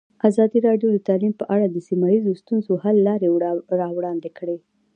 ازادي راډیو د تعلیم په اړه د سیمه ییزو ستونزو حل لارې راوړاندې کړې.